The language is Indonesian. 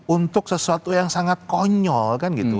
untuk sesuatu yang sangat konyol kan gitu